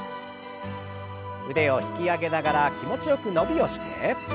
腕を引き上げながら気持ちよく伸びをして。